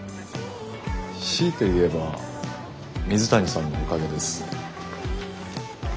強いて言えば水谷さんのおかげです。